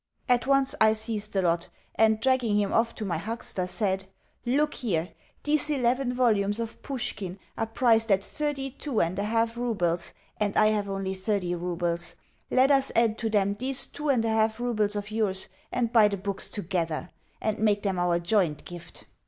At once I seized the lot, and, dragging him off to my huckster, said: "Look here. These eleven volumes of Pushkin are priced at thirty two and a half roubles, and I have only thirty roubles. Let us add to them these two and a half roubles of yours, and buy the books together, and make them our joint gift."